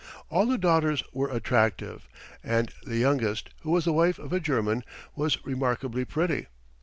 All the daughters were attractive, and the youngest, who was the wife of a German, was remarkably pretty.